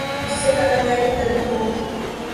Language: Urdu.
جسے کہا جائے کہ طبیعی موت